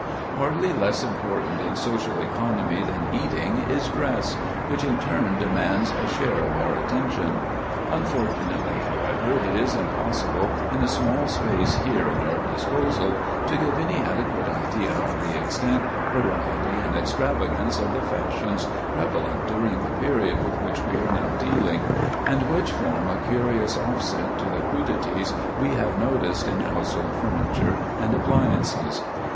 Hardly less important in social economy than eating is dress, which in turn demands a share of our attention. Unfortunately, however, it is impossible in the small space here at our disposal to give any adequate idea of the extent, variety, and extravagance of the fashions prevalent during the period with which we are now dealing, and which form a curious offset to the crudities we have noticed in household furniture and appliances.